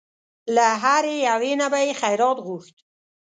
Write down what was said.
له هرې یوې نه به یې خیرات غوښت.